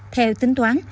theo tính toán